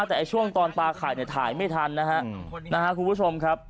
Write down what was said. แต่ช่วงตอนปลาไข่เนี่ยถ่ายไม่ทันนะฮะคุณผู้ชมครับ